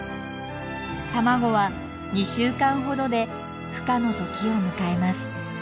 卵は２週間ほどでふ化の時を迎えます。